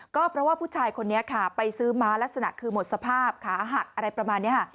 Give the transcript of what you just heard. ก็เพราะว่าผู้ชายคนนี้ค่ะไปซื้อม้าลักษณะคือหมดสภาพขาหักอะไรประมาณนี้ค่ะ